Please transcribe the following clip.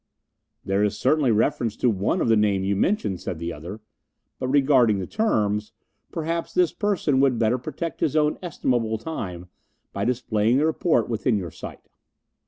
"There is certainly reference to one of the name you mention," said the other; "but regarding the terms perhaps this person would better protect his own estimable time by displaying the report within your sight."